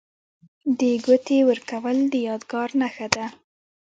د ګوتې ورکول د یادګار نښه ده.